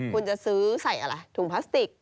คุณจะซื้อใส่อะไรถุงพลาสติก